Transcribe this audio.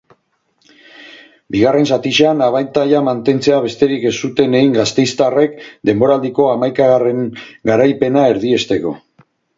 Bigarren zatian abantaila mantentzea besterik ez zuten egin gasteiztarrek denboraldiko hamaikagarrena garaipena erdiesteko.